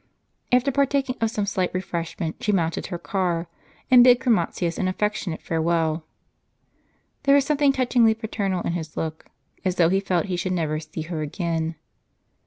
After partaking of some slight refreshment, she mounted her car, and bid Chromatius an affectionate farewell. There was something touchingly paternal in his look, as though he felt he should never see her again.